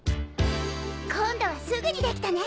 今度はすぐに出来たね！